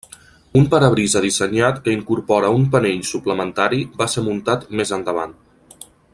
Un parabrisa dissenyat que incorpora un panell suplementari va ser muntat més endavant.